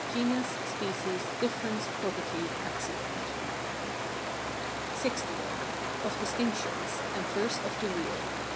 genus, species, difference, property, accident. LX. Of distinctions; and first of the real.